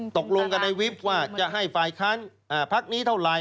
ตกลงกันในวิบว่าจะให้ฝ่ายค้านพักนี้เท่าไหร่